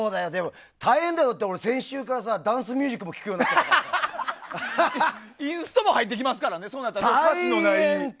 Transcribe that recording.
大変だよ、先週から俺ダンスミュージックもそうなるとインストも入ってきますからね。